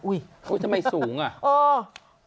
อุ้ยทำไมสูงอ่ะ